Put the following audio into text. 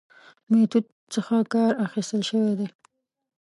میتود څخه کار اخستل شوی دی.